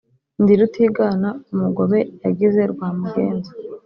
Ndi Rutiganda umugobe yagize rwa mugenza